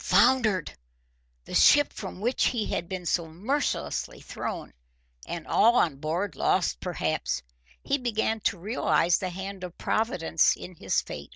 Foundered! The ship from which he had been so mercilessly thrown! And all on board lost, perhaps. He began to realise the hand of Providence in his fate.